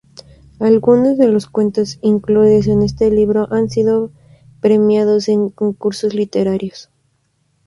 Algunos de los cuentos incluidos en este libro han sido premiados en concursos literarios.